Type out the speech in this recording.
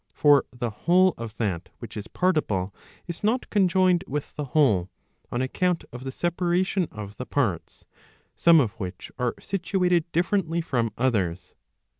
For the whole of that which is partible is not conjoined with the whole, on account of the separation of the parts, some of which are situated differently from others.